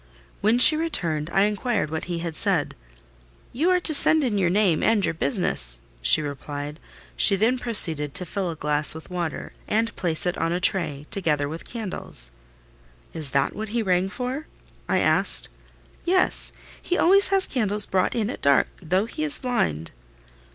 When she returned, I inquired what he had said. "You are to send in your name and your business," she replied. She then proceeded to fill a glass with water, and place it on a tray, together with candles. "Is that what he rang for?" I asked. "Yes: he always has candles brought in at dark, though he is blind."